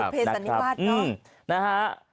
พิเศษอันนี้กว้าดเนาะ